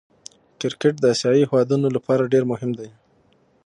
کرکټ د آسيايي هېوادو له پاره ډېر مهم دئ.